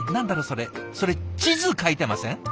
それ地図描いてません？